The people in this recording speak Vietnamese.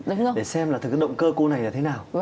để xem là thực ra động cơ cô này là thế nào